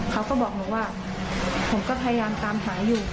เขาก็บอกหนูว่าผมก็พยายามตามหาอยู่